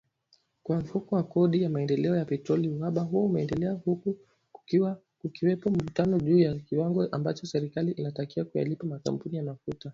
Kwa Mfuko wa Kodi ya Maendeleo ya Petroli, uhaba huo umeendelea huku kukiwepo mivutano juu ya kiwango ambacho serikali inatakiwa kuyalipa makampuni ya mafuta